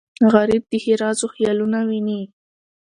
غریب د ښېرازو خیالونه ویني